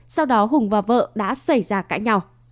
sau đó hùng và vợ đã xảy ra cãi nhau